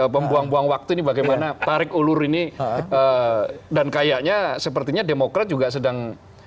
membuang buang waktu ini bagaimana tarik ulur ini dan kayaknya sepertinya demokrat juga sedang